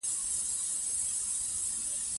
افغانستان کې انار د خلکو د خوښې وړ یو ښکلی ځای دی.